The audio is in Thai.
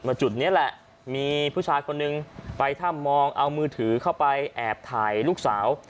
จุดนี้แหละมีผู้ชายคนนึงไปถ้ำมองเอามือถือเข้าไปแอบถ่ายลูกสาว